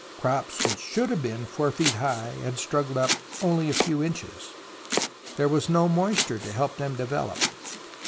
Crops which should have been 4 feet high had struggled up only a few inches. There was no moisture to help them to develop.